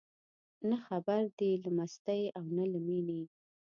نه خبر دي له مستۍ او نه له مینې